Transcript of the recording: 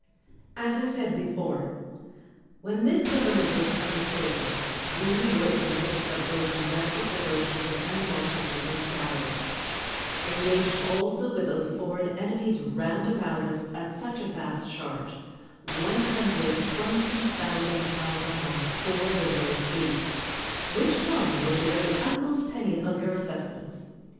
As I said before, when this government was undertaken, we were in the midst of those do mestic diversions and animosities and scatter ings; engaged also with those foreign enemies X33 THE WORLD'S FAMOUS ORATIONS round about us at such a vast charge — £120, 000 a month for the very fleet, which sum was the very utmost penny of your assessments.